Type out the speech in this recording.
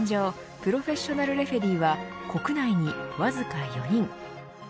プロフェッショナルレフェリーは国内にわずか４人。